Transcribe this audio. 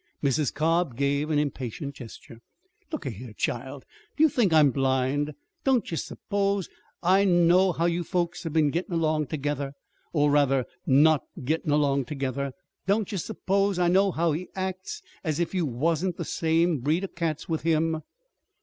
Mrs. Cobb gave an impatient gesture. "Look a here, child, do you think I'm blind? Don't ye s'pose I know how you folks have been gettin' along tergether? or, rather, not gettin' along tergether? Don't ye s'pose I know how he acts as if you wasn't the same breed o' cats with him?"